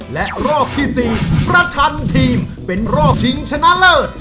และรอบที่๔ประชันทีมเป็นรอบชิงชนะเลิศ